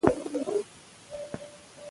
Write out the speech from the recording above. ادبي کارونه د فکرونو انقلاب راولي.